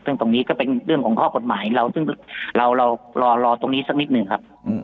ซึ่งตรงนี้ก็เป็นเรื่องของข้อกฎหมายซึ่งเรารอตรงนี้สักนิดหนึ่งครับ